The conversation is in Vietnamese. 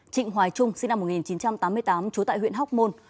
trịnh hoài trung sinh năm một nghìn chín trăm tám mươi tám trú tại huyện hóc môn